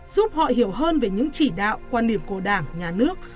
giúp họ hiểu hơn về những chỉ đạo quan điểm của đảng nhà nước